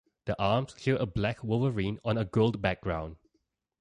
The arms show a black wolverine on a gold background.